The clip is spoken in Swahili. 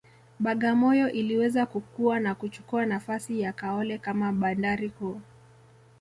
Bagamoyo iliweza kukua na kuchukua nafasi ya Kaole kama bandari kuu